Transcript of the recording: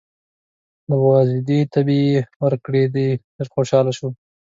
د وازدې تبی یې ورکړی دی، ډېر خوشحاله شو.